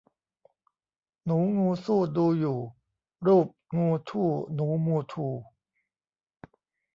หนูงูสู้ดูอยู่ รูปงูทู่หนูมูทู